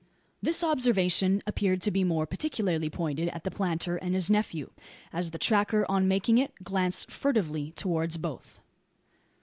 This observation appeared to be more particularly pointed at the planter and his nephew; as the tracker, on making it, glanced furtively towards both.